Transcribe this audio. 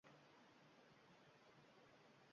Jome’ eshigi ustida ushbu bayt yozilgan: